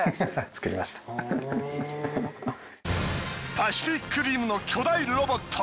『パシフィック・リム』の巨大ロボット。